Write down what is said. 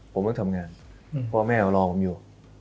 ผมต้องทำงานเพราะว่าแม่รอผมอยู่